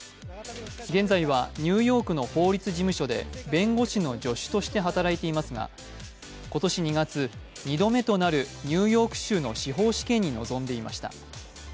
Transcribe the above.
現在はニューヨークの法律事務所で弁護士の助手として働いていますが今年２月、二度目となるニューヨーク州の司法試験に臨んでいました。